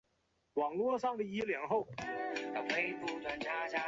元朔匈奴祭祀祖先的龙城。